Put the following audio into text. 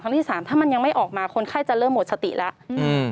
ถ้ามันยังไม่ออกมาคนไข้จะเริ่มหมดสติแล้ว